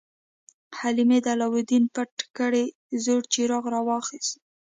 حلیمې د علاوالدین پټ کړی زوړ څراغ راواخیست.